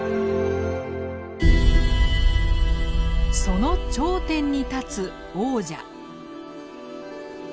その頂点に立つ王者。